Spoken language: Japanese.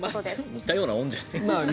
似たようなもんじゃん。